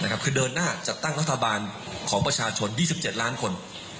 คือเดินหน้าจัดตั้งรัฐบาลของประชาชน๒๗ล้านคน